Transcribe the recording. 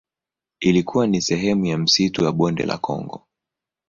Ilikuwa ni sehemu ya msitu wa Bonde la Kongo.